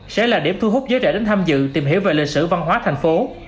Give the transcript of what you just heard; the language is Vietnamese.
sẽ là điểm thu hút giới trẻ đến tham dự tìm hiểu về lịch sử văn hóa thành phố